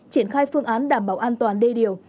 triển khai phương án đảm bảo an toàn đê điều